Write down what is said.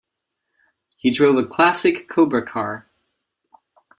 He drove a classic Cobra car.